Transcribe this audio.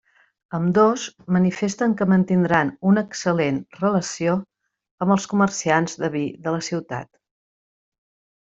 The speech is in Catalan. Ambdós, manifesten que mantindran una excel·lent relació amb els comerciants de vi de la ciutat.